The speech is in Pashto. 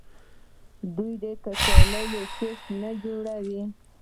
آیا دوی د کچالو چپس نه جوړوي؟